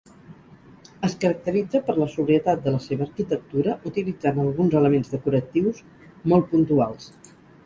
Es caracteritza per la sobrietat de la seva arquitectura utilitzant alguns elements decoratius molt puntuals.